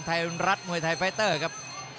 ไทยรัฐมวยไทยไฟเตอร์ครับ